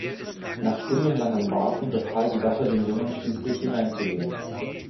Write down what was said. Nach stundenlangem Warten befahl die Wache dem Jungen schließlich hineinzugehen.